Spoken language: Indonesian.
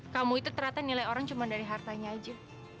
kamu itu ternyata nilai orang cuma dari hartanya aja